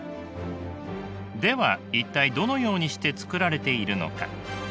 では一体どのようにして作られているのか？